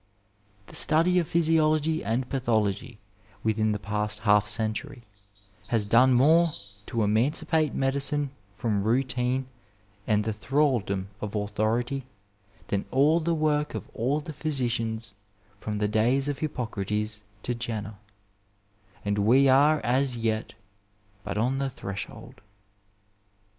The study of physiology and pathology within the past half century has done more to emancipate medicine from routine and the thraldom of authority than all the work of all the physicians from the days of Hippocrates to Jenner, and we are as yet but on the threshold.